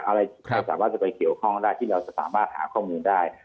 อะไรไม่สามารถจะไปเกี่ยวข้องได้ที่เราจะสามารถหาข้อมูลได้